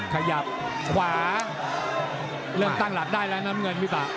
ขยับขวาเริ่มตั้งหลักได้แล้วน้ำเงินพี่ป่า